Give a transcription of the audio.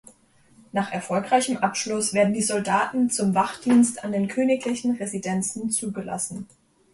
Nach erfolgreichem Abschluss werden die Soldaten zum Wachdienst an den königlichen Residenzen zugelassen.